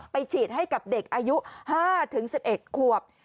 ฉีดให้กับเด็กอายุ๕๑๑ขวบ